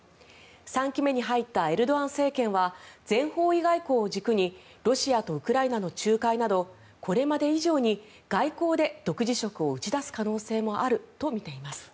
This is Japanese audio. ３期目に入ったエルドアン政権は全方位外交を軸にロシアとウクライナの仲介などこれまで以上に外交で独自色を打ち出す可能性もあるとみています。